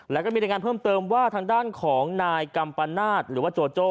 แล้วก็มีรายงานเพิ่มเติมว่าทางด้านของนายกัมปนาศหรือว่าโจโจ้